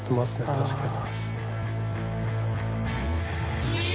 確かに。